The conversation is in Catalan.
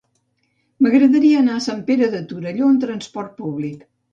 M'agradaria anar a Sant Pere de Torelló amb trasport públic.